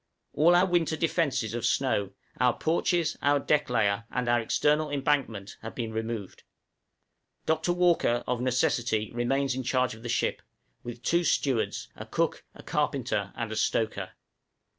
All our winter defences of snow, our porches, our deck layer, and our external embankment, have been removed. Dr. Walker, of necessity, remains in charge of the ship, with two stewards, a cook, a carpenter, and a stoker.